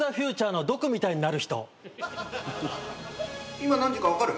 ・今何時か分かる？